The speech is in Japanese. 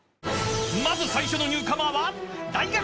［まず最初のニューカマーは］